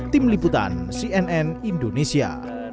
tim liputan cnn indonesia